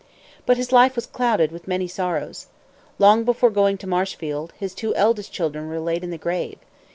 But his life was clouded with many sorrows. Long before going to Marshfield, his two eldest children were laid in the grave.